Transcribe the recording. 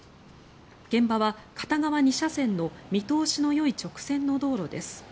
現場は片側２車線の見通しのよい直線の道路です。